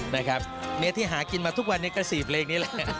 นะครับเมที่หากินมาทุกวันเนคเกอร์สิบเลยริงแหละ